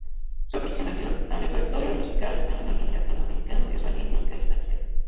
Su aproximación al repertorio musical español y latinoamericano es valiente y carismática.